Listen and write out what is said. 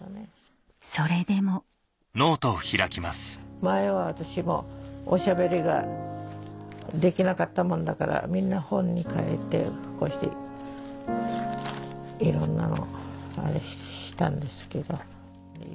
それでも前は私もおしゃべりができなかったもんだからみんな本に書いていろんなのをあれしたんですけど。